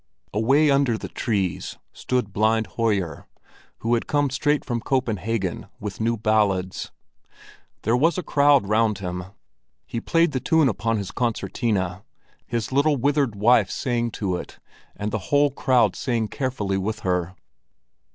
Away under the trees stood blind Hoyer, who had come straight from Copenhagen with new ballads. There was a crowd round him. He played the tune upon his concertina, his little withered wife sang to it, and the whole crowd sang carefully with her.